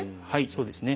そうですね。